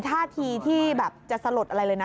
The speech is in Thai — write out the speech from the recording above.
ท่าทีที่แบบจะสลดอะไรเลยนะ